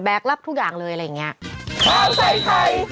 แบกรับทุกอย่างเลยอะไรอย่างนี้